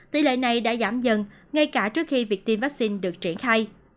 tỷ lệ này đã giảm dần ngay cả trước khi việc tiêm vaccine được triển khai